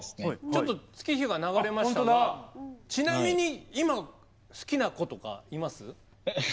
ちょっと月日が流れましたがちなみに今好きな子とかいます？